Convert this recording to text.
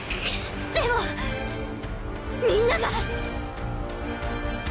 でもみんなが！